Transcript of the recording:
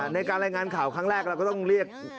ในการรายงานข่าวครั้งแรกเราก็ต้องเรียก